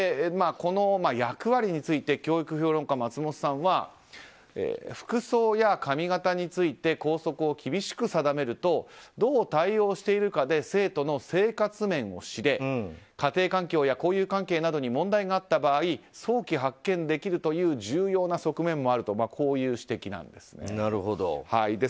この役割について教育評論家、松本さんは服装や髪形について校則を厳しく定めるとどう対応しているかで生徒の生活面を知れ家庭環境や交友関係などに問題があった場合早期発見できるという重要な側面もあるとこういう指摘なんですね。